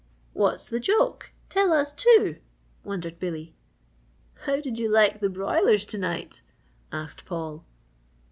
"What's the joke tell us, too!" wondered Billy. "How did you like the broilers to night?" asked Paul.